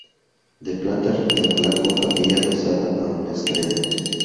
De planta rectangular con capilla adosada a un extremo.